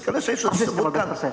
karena saya sudah sebutkan